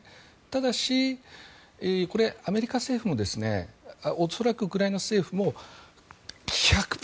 ただし、アメリカ政府も恐らくウクライナ政府も１００％、１２０％